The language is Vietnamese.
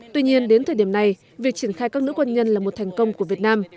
tuy nhiên đến thời điểm này việc triển khai các nữ quân nhân là một thành công của việt nam